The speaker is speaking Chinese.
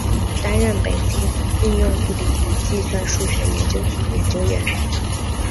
担任北京应用物理与计算数学研究所研究员。